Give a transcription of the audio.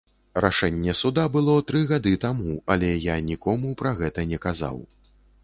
Рашэнне суда было тры гады таму, але я нікому пра гэта не казаў.